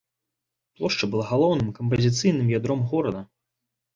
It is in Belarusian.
Плошча была галоўным кампазіцыйным ядром горада.